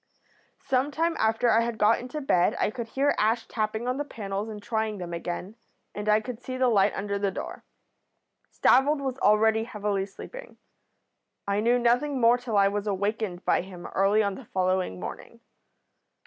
"Some time after I had got into bed I could hear Ash tapping on the panels and trying them again, and I could see the light under the door. Stavold was already heavily sleeping. I knew nothing more till I was awakened by him early on the following morning.